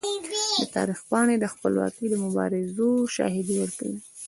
د تاریخ پاڼې د خپلواکۍ د مبارزو شاهدي ورکوي.